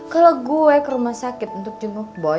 kalau gue ke rumah sakit untuk jemuk boy